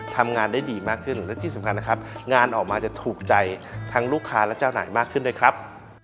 ทำงานได้ดีมากขึ้นและที่สำคัญนะครับงานออกมาจะถูกใจทั้งลูกค้าและเจ้านายมากขึ้นด้วยครับ